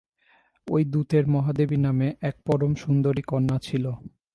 ঐ দূতের মহাদেবী নামে এক পরম সুন্দরী কন্যা ছিল।